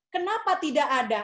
kenapa tidak ada